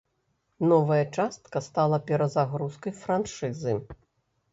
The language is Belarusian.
Новая частка стала перазагрузкай франшызы.